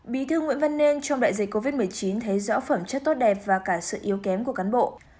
bí thư nguyễn văn nên trong đại dịch covid một mươi chín thấy rõ phẩm chất tốt đẹp và cả sự yếu kém của cán bộ